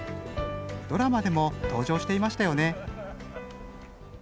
ドラマでも登場していましたよね。